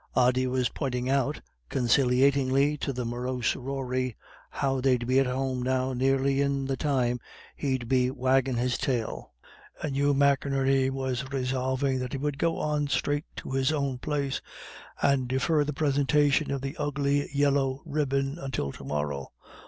Ody was pointing out conciliatingly to the morose Rory how they'd be at home now nearly in the time he'd be waggin' his tail; and Hugh McInerney was resolving that he would go on straight to his own place, and defer the presentation of the ugly yellow ribbon until to morrow.